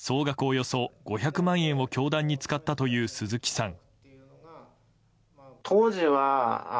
およそ５００万円を教団に使ったという鈴木さん。